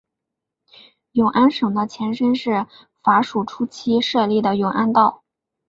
永安省的前身是法属初期设立的永安道。